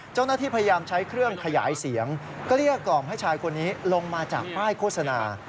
เจ้าหน้าที่พยายามใช้เครื่องขยายเสียงเกลี้ยกล่อมให้ชายคนนี้ลงมาจากป้ายโฆษณา